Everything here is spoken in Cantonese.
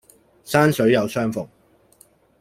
山水有相逢